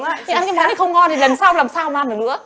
thì ăn cái món này không ngon thì lần sau làm sao mà ăn được nữa